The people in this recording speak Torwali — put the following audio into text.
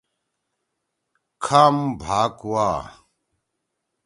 کھام بھا کوا۔